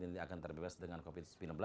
nanti akan terbebas dengan covid sembilan belas